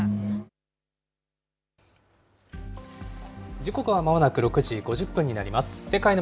時刻はまもなく６時５０分になります。